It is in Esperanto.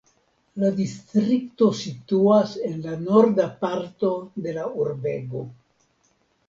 La distrikto situas en la norda parto de la urbego.